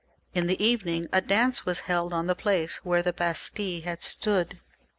In the evening a dance was held on the place where the Bastille had stood.